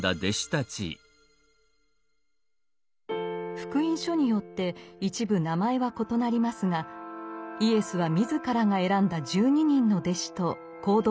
「福音書」によって一部名前は異なりますがイエスは自らが選んだ十二人の弟子と行動を共にしました。